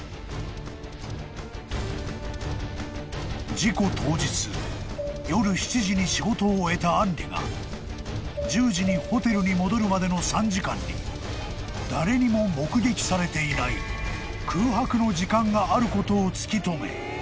［事故当日夜７時に仕事を終えたアンリが１０時にホテルに戻るまでの３時間に誰にも目撃されていない空白の時間があることを突き止め］